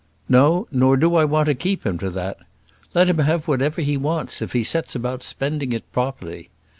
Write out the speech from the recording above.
"No; nor do I want to keep him to that. Let him have whatever he wants if he sets about spending it properly.